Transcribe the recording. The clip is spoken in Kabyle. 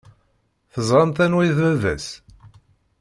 Teẓramt anwa i d baba-s?